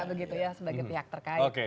begitu ya sebagai pihak terkait